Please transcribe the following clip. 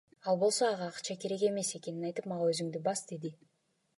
Ал болсо ага акча керек эмес экенин айтып, мага Өзүңдү бас деди.